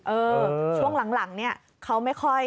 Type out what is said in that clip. เออช่วงหลังเนี่ยเขาไม่ค่อย